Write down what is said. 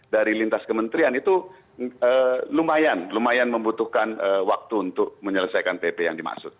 dari lintas kementerian itu lumayan membutuhkan waktu untuk menyelesaikan pp yang dimaksud